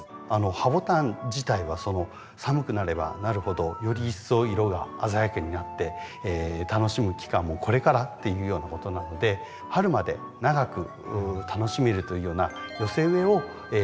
ハボタン自体は寒くなればなるほどより一層色が鮮やかになって楽しむ期間もこれからっていうようなことなので春まで長く楽しめるというような寄せ植えをおすすめしたいと思います。